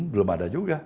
belum ada juga